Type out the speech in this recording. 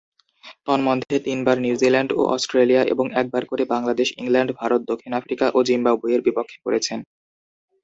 তন্মধ্যে, তিনবার নিউজিল্যান্ড ও অস্ট্রেলিয়া এবং একবার করে বাংলাদেশ, ইংল্যান্ড, ভারত, দক্ষিণ আফ্রিকা ও জিম্বাবুয়ের বিপক্ষে করেছেন।